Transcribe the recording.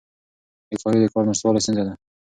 بیکاري د کار نشتوالي ستونزه ده.